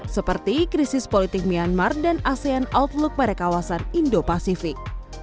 seperti krisis politik myanmar dan asean outlook pada kawasan indo pasifik